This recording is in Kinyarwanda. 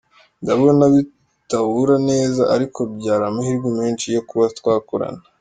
ndabona bitahura neza ariko byari amahirwe menshi yo kuba twakorana.